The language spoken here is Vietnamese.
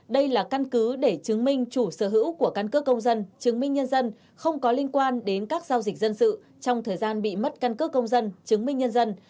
đây là căn cứ để chứng minh chủ sở hữu của căn cước công dân chứng minh nhân dân không có liên quan đến các giao dịch dân sự trong thời gian bị mất căn cước công dân chứng minh nhân dân